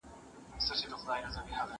ایا تکړه پلورونکي تور ممیز ساتي؟